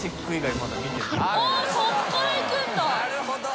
なるほど！